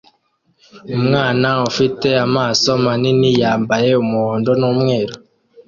Umwana ufite amaso manini yambaye umuhondo n'umweru